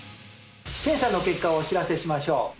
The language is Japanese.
検査の結果をお知らせしましょう